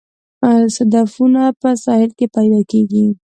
صدفونه په ساحل کې پیدا کیږي